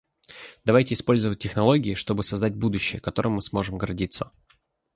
Давайте использовать технологии, чтобы создать будущее, которым мы сможем гордиться.